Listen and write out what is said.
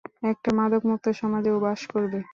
একটা মাদকমুক্ত সমাজে ও বাস করবে।